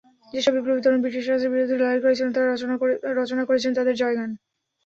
যেসব বিপ্লবী তরুণ ব্রিটিশরাজের বিরুদ্ধে লড়াই করেছিলেন, রচনা করেছেন তাঁদের জয়গান।